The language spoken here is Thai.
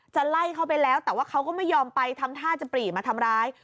ไล่เขาไปแล้วแต่ว่าเขาก็ไม่ยอมไปทำท่าจะปรีมาทำร้าย